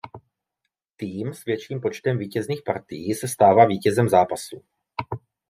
Tým s větším počtem vítězných partií se stává vítězem zápasu.